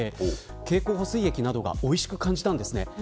経口補水液などがおいしく感じました。